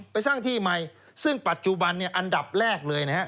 ไปสร้างที่ใหม่ซึ่งปัจจุบันอันดับแรกเลยนะครับ